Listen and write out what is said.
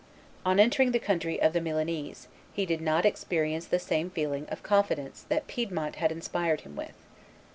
On entering the country of the Milanese he did not experience the same feeling of confidence that Piedmont had inspired him with.